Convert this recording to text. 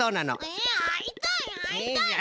えあいたいあいたい。